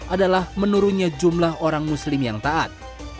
adalah menurunnya jumlah orang muslim yang taat